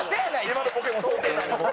今のボケも想定内。